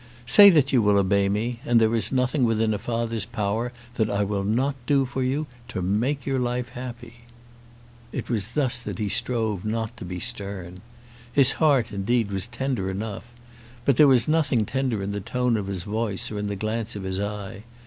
Say that you will obey me, and there is nothing within a father's power that I will not do for you, to make your life happy." It was thus that he strove not to be stern. His heart, indeed, was tender enough, but there was nothing tender in the tone of his voice or in the glance of his eye.